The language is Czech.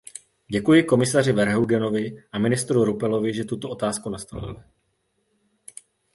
Děkuji komisaři Verheugenovi a ministru Rupelovi, že tuto otázku nastolili.